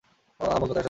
আহ, মুল কথায় আসা যাক।